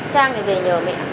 trang lại về nhờ mẹ